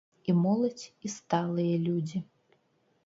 І моладзь, і сталыя людзі.